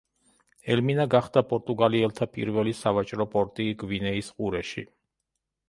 ელმინა გახდა პორტუგალიელთა პირველი სავაჭრო პორტი გვინეის ყურეში.